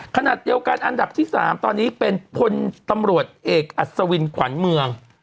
ขณะเดียวกันอันดับที่๓ตอนนี้เป็นพลตำรวจเอกอัศวินขวัญเมือง